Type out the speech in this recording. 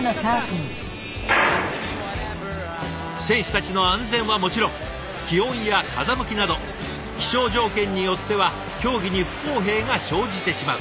選手たちの安全はもちろん気温や風向きなど気象条件によっては競技に不公平が生じてしまう。